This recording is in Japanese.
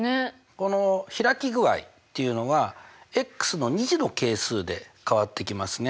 この開き具合っていうのはの２次の係数で変わってきますね。